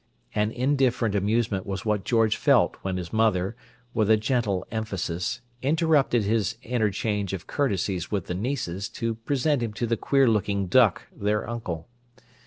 An indifferent amusement was what George felt when his mother, with a gentle emphasis, interrupted his interchange of courtesies with the nieces to present him to the queer looking duck their uncle.